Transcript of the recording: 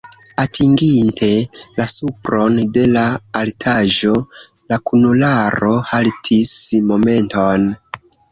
Atinginte la supron de la altaĵo, la kunularo haltis momenton.